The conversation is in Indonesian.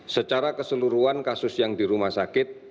secara keseluruhan kasus yang di rumah sakit